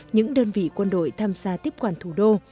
những đơn vị quân đội tham gia tiếp quản thủ đô